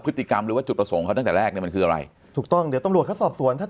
พฤติกรรมหรือจุประสงคร์เขาตั้งแต่แรกเนี่ยนี่มันคืออะไร